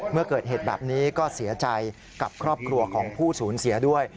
เมื่อเกิดเหตุแบบนี้ก็เสียใจกับครอบครัวของผู้สูญเสียด้วย